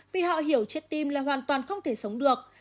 vì họ hiểu chết tim là hoàn toàn không thể sống được